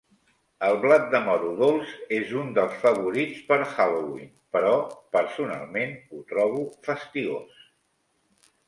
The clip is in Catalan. El blat de moro dolç és un dels favorits per Halloween, però personalment ho trobo fastigós.